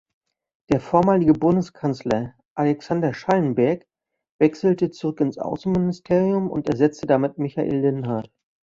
Der vormalige Bundeskanzler Alexander Schallenberg wechselte zurück ins Außenministerium und ersetzte damit Michael Linhart.